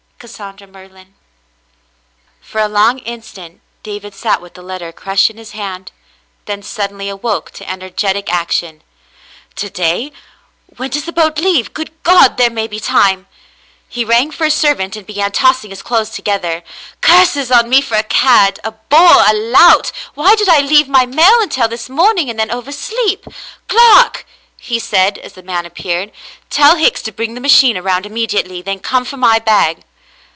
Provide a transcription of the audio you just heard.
" Cassandra Merlin." For a long instant David sat with the letter crushed in his hand, then suddenly awoke to energetic action. "To day.? When does the boat leave? Good God! there may be time." He rang for a servant and began tossing his clothing together. " Curses on me for a cad — a boor — a lout — Why did I leave my mail until this morning and then oversleep ! Clark," he said, as the man appeared, "tell Hicks to bring the machine around immediately, then come for my bag."